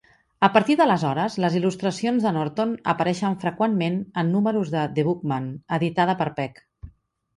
A partir d'aleshores, les il·lustracions de Norton apareixen freqüentment en números de "The Bookman", editada per Peck.